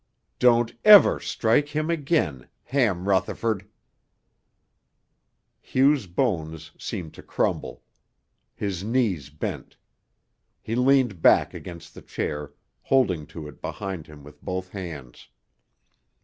"Don't ever strike him again Ham Rutherford!" Hugh's bones seemed to crumble; his knees bent; he leaned back against the chair, holding to it behind him with both hands.